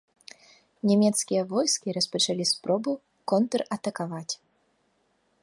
Нямецкія войскі распачалі спробу контратакаваць.